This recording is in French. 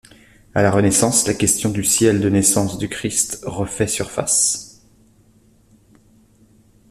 À la Renaissance, la question du ciel de naissance du Christ refait surface.